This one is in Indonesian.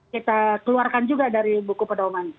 kita keluarkan juga dari buku pedoman